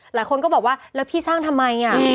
หลายคนก็บอกว่าแล้วพี่สร้างทำไม